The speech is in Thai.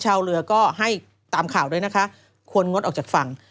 ชาวเรือก็ให้ตามข่าวด้วยนะคะควรงดออกจากฝั่ง